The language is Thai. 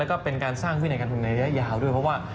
แล้วก็เป็นการสร้างวินัยการทุนในระยะยาวด้วยเพราะว่า